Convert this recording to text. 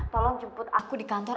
tolong jemput aku di kantor